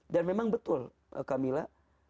dan memang betul kamila